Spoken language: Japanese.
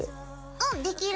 うんできる。